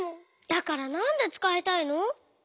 だからなんでつかいたいの？